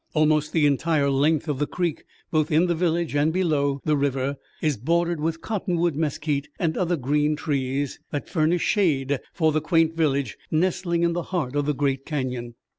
Almost the entire length of the creek, both in the village and below, the river is bordered with cottonwood, mesquite and other green trees, that furnish shade for the quaint village nestling in the heart of the great Canyon.